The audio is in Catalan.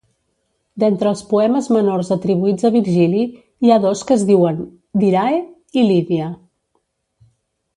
D'entre els poemes menors atribuïts a Virgili hi ha dos que es diuen "Dirae" i "Lydia".